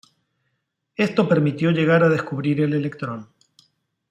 Esto permitió llegar a descubrir el electrón.